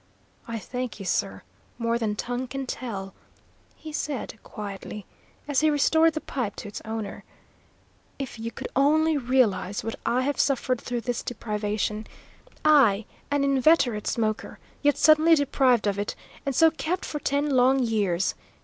"I thank you, sir, more than tongue can tell," he said, quietly, as he restored the pipe to its owner. "If you could only realise what I have suffered through this deprivation! I, an inveterate smoker; yet suddenly deprived of it, and so kept for ten long years!